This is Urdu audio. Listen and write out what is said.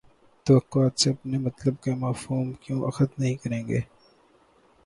توواقعات سے اپنے مطلب کا مفہوم کیوں اخذ نہیں کریں گے؟